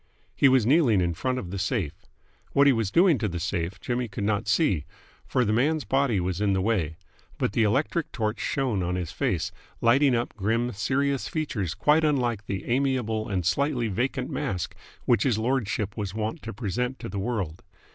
He was kneeling in front of the safe. What he was doing to the safe, Jimmy could not see, for the man's body was in the way; but the electric torch shone on his face, lighting up grim, serious features quite unlike the amiable and slightly vacant mask which his lordship was wont to present to the world.